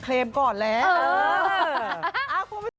เคลมก่อนแล้วเออ